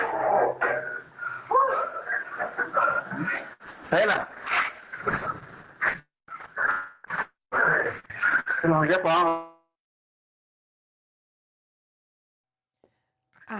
เฮ้ยแหละ